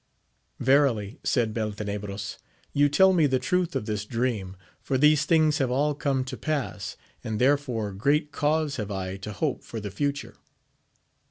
Verily, said Beltenebros, you tell me the truth of this dream, for these things have all come to pass, and therefore great cause have I to hope for the future.